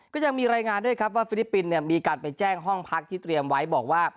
ก็ยังมีรายงานด้วยครับว่าฟิลิปปินส์มีการไปแจ้งห้องพักที่เตรียมไว้บอกว่า